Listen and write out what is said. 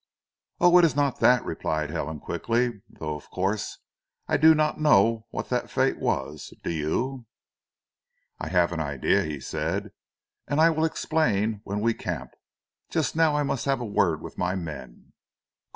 "Oh, it is not that!" replied Helen quickly. "Though of course I do not know what the fate was. Do you?" "I have an idea," he said, "and I will explain when we camp. Just now I must have a word with my men.